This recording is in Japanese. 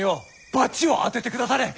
バチを当ててくだされ！